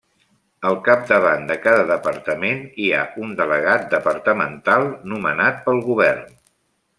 Al capdavant de cada departament hi ha un delegat departamental, nomenat pel govern.